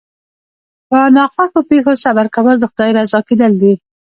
په ناخوښو پېښو صبر کول د خدای رضا کېدل دي.